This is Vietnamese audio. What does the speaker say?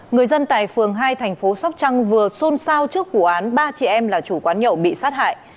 người dân tại phường hai thành phố sóc trăng vừa xôn xao trước vụ án ba chị em là chủ quán nhậu bị sát hại